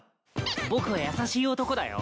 僕は優しい男だよ。